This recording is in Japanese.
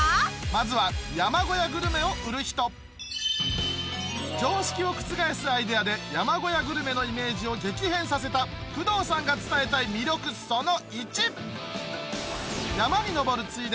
まずは山小屋グルメを売る人常識を覆すアイデアで山小屋グルメのイメージを激変させた工藤さんが伝えたい魅力その①